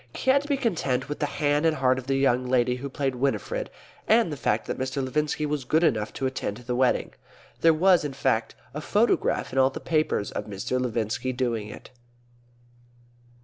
He had to be content with the hand and heart of the lady who played Winifred, and the fact that Mr. Levinski was good enough to attend the wedding. There was, in fact, a photograph in all the papers of Mr. Levinski doing it.